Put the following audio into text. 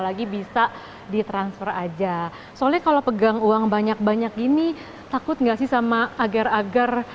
lagi bisa ditransfer aja soalnya kalau pegang uang banyak banyak gini takut nggak sih sama agar agar